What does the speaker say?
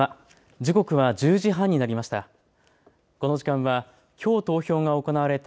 時刻は１０時半になりました。